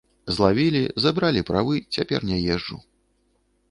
Злавілі, забралі правы, цяпер не езджу.